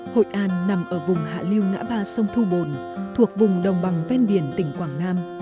hội an nằm ở vùng hạ lưu ngã ba sông thu bồn thuộc vùng đồng bằng ven biển tỉnh quảng nam